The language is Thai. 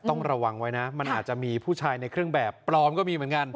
ต้องระวังไว้นะมันอาจจะมีผู้ชายในเครื่องแบบปลอมก็มีเหมือนกัน